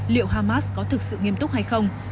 liệu hamas có thực sự nghiêm túc hay không